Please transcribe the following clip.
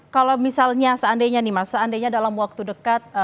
kalau misalnya seandainya dalam waktu dekat